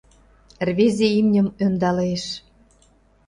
— Рвезе имньым ӧндалеш.